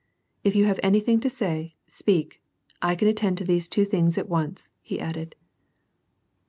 " If you have anything to say, speak. I can attend to these two things at once," he added.